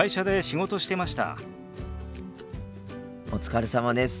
お疲れさまです。